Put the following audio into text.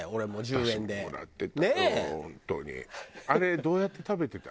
あれどうやって食べてた？